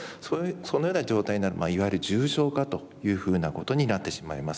そのような状態になるいわゆる重症化というふうなことになってしまいます。